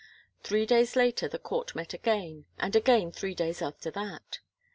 Three days later the court met again and again three days after that.